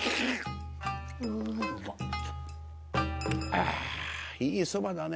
「あ！いいそばだね」。